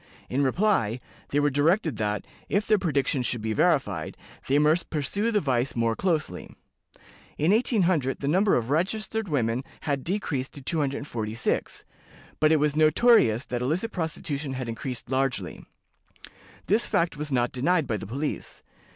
In reply, they were directed that, if their prediction should be verified, they must pursue the vice more closely. In 1800 the number of registered women had decreased to 246, but it was notorious that illicit prostitution had increased largely. This fact was not denied by the police.